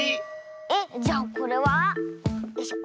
えっじゃあこれは？よいしょ。